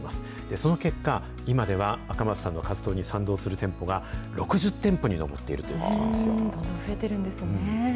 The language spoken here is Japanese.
その結果、今では、赤松さんの活動に賛同する店舗が６０店舗に上っているということ増えてるんですね。